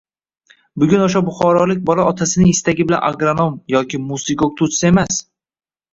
Bugun o’sha buxorolik bola otasining istagi bilan agronom yoki musiqa o’qituvchisi emas